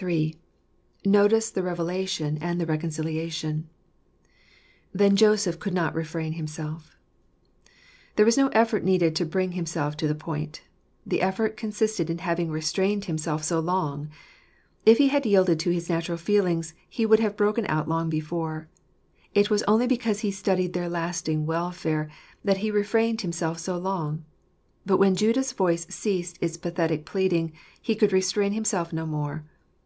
III. Notice the Revelation and Reconciliation. " Then Joseph could not refrain himself There was no effort needed to bring himself to the point : the effort consisted in having restrained himself so long. If he had yielded to his natural feelings, he would have broken out long before. It was only because he studied their lasting welfare, that he refrained himself so long. But when Judah's voice ceased its pathetic pleading, he could restrain himself no more.